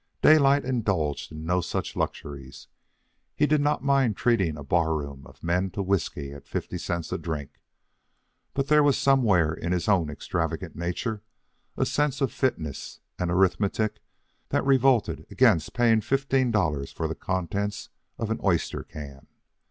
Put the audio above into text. Daylight indulged in no such luxuries. He did not mind treating a bar room of men to whiskey at fifty cents a drink, but there was somewhere in his own extravagant nature a sense of fitness and arithmetic that revolted against paying fifteen dollars for the contents of an oyster can.